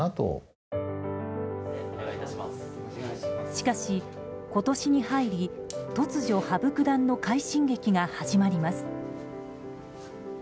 しかし、今年に入り突如羽生九段の快進撃が始まります。